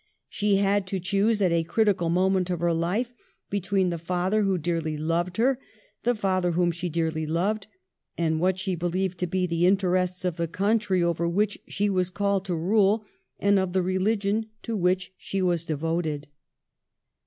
She had to choose, at a critical moment of her life, between the father who dearly loved her — the father whom she dearly loved — and what she believed to be the interests of the country over which she was called to rule, and of the religion to which she was devoted.